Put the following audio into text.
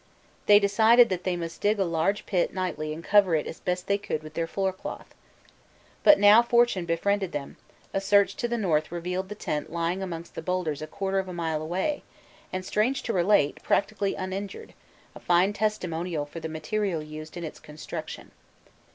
They decided that they must dig a large pit nightly and cover it as best they could with their floorcloth. But now fortune befriended them; a search to the north revealed the tent lying amongst boulders a quarter of a mile away, and, strange to relate, practically uninjured, a fine testimonial for the material used in its construction.